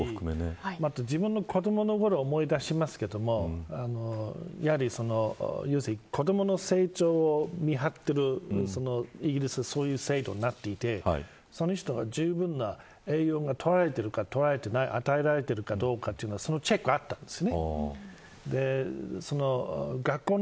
自分の子どものころを思い出しますけど要するに子どもの成長を担っている制度になっていてその人がじゅうぶんな栄養がとれているか、とれていないか与えられているかどうかというチェックがあったんです。